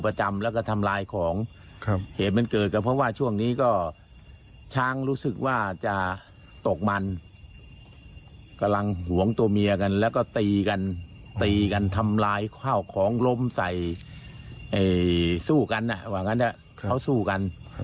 เพราะเกรงว่าเดี๋ยวช้างเข้ามาในหมู่บ้านแล้วจะบุกมาทำร้ายในส่วนเวลากลางคืน